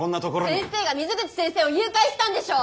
先生が水口先生を誘拐したんでしょ！